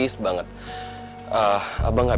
aku gak kerja partai hari hari